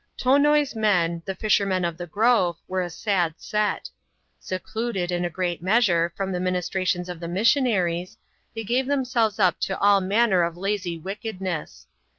Tonoi's men, the fishermen of the grove, were a sad set. 'Secluded, in a great measure, from the ministrations of the mis sionaries, they gave themselves up to all manner of lazy wicked ness.